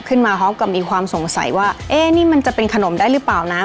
มาพร้อมกับมีความสงสัยว่าเอ๊ะนี่มันจะเป็นขนมได้หรือเปล่านะ